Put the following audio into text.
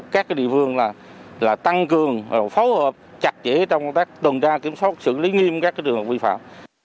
các địa phương tăng cường phó hợp chặt chẽ trong các tuần đa kiểm soát xử lý nghiêm các trường hợp vi phạm